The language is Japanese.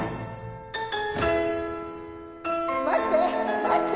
待って待って！